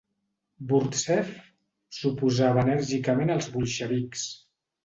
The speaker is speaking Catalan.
Burtsev s'oposava enèrgicament als bolxevics.